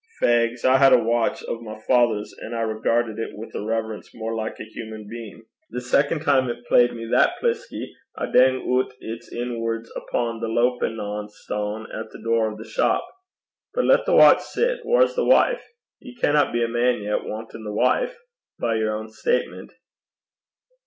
Fegs, I had a watch o' my father's, an' I regairdit it wi' a reverence mair like a human bein': the second time it played me that pliskie, I dang oot its guts upo' the loupin' on stane at the door o' the chop. But lat the watch sit: whaur's the wife? Ye canna be a man yet wantin' the wife by yer ain statement.'